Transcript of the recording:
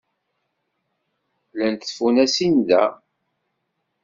Llant tfunasin da.